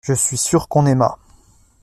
Je suis sûr qu’on aima.